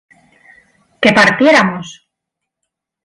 ¿que partiéramos?